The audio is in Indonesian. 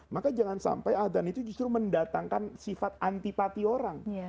maka jangan sampai adhan itu justru mendatangkan sifat antipati orang